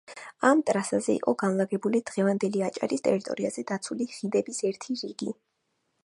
ამ ტრასაზე იყო განლაგებული დღევანდელი აჭარის ტერიტორიაზე დაცული ხიდების ერთი რიგი.